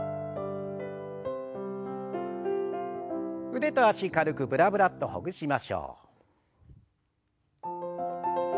腕と脚軽くブラブラッとほぐしましょう。